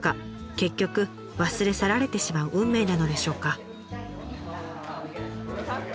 結局忘れ去られてしまう運命なのでしょうか。